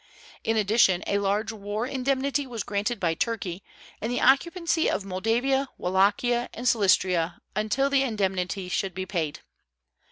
In addition, a large war indemnity was granted by Turkey, and the occupancy of Moldavia, Wallachia, and Silistria until the indemnity should be paid.